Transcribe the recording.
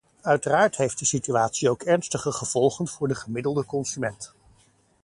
Uiteraard heeft de situatie ook ernstige gevolgen voor de gemiddelde consument.